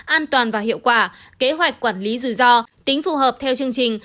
an toàn và hiệu quả kế hoạch quản lý rủi ro tính phù hợp theo chương trình